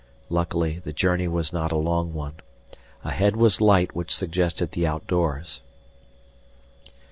Luckily the journey was not a long one. Ahead was light which suggested the outdoors.